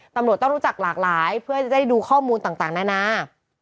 ตำรวจต้องรู้จักหลากหลายเพื่อจะได้ดูข้อมูลต่างนานา